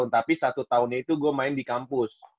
tapi satu tahunnya itu gue main di kampus